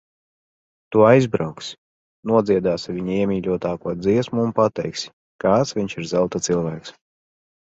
Tu aizbrauksi, nodziedāsi viņa iemīļotāko dziesmu un pateiksi, kāds viņš ir zelta cilvēks.